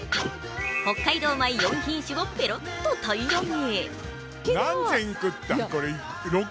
北海道米４品種をペロッと平らげ